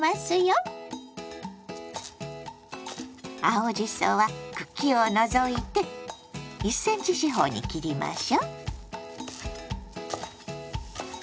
青じそは茎を除いて１ｃｍ四方に切りましょう。